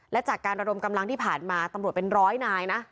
และจากการระดมกำลังที่ผ่านมาตำรวจเป็นร้อยนายนะ